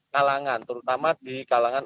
kalangan terutama di kalangan